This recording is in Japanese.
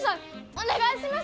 お願いします！